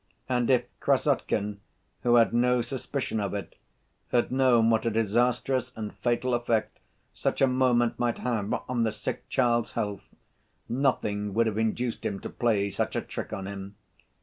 And if Krassotkin, who had no suspicion of it, had known what a disastrous and fatal effect such a moment might have on the sick child's health, nothing would have induced him to play such a trick on him.